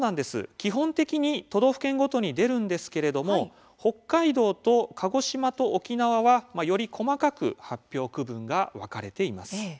基本的に都道府県ごとに出るんですけれども北海道と鹿児島と沖縄はより細かく発表区分が分かれています。